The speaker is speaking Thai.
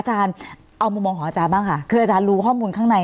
อาจารย์เอามุมมองของอาจารย์บ้างค่ะคืออาจารย์รู้ข้อมูลข้างใน